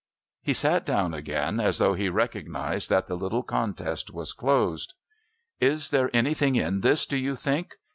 He sat down again as though he recognised that the little contest was closed. "Is there anything in this, do you think?